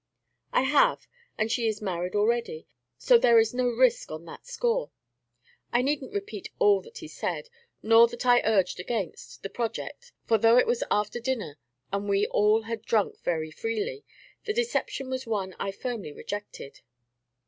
"'I have, and she is married already, so there is no risk on that score.' I need n't repeat all that he said for, nor that I urged against, the project; for though it was after dinner, and we all had drunk very freely, the deception was one I firmly rejected.